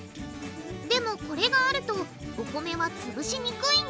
でもこれがあるとお米はつぶしにくいんだ。